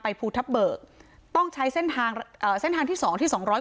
ภูทับเบิกต้องใช้เส้นทางเอ่อเส้นทางที่สองที่สองร้อย